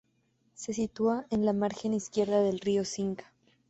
Se sitúa en la margen izquierda del río Cinca.